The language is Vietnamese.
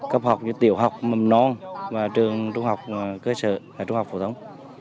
cấp học như tiểu học mầm non và trường trung học cơ sở trung học phổ thông